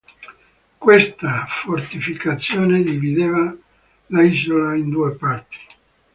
Questa fortificazione divideva l'isola in due parti.